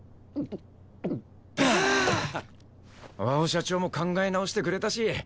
和尾社長も考え直してくれたし